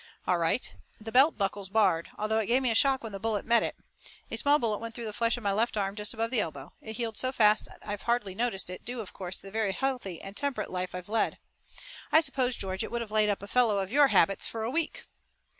"All right. The belt buckle's barred, although it gave me a shock when the bullet met it. A small bullet went through the flesh of my left arm just above the elbow. It healed so fast that I've hardly noticed it, due, of course, to the very healthy and temperate life I've led. I suppose, George, it would have laid up a fellow of your habits for a week."